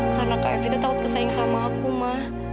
karena kak evita takut kesayang sama aku ma